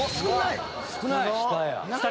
少ない。